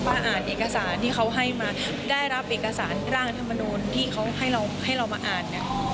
ป้าอ่านเอกสารที่เขาให้มาได้รับเอกสารร่างรัฐธรรมนูลที่เขาให้เรามาอ่าน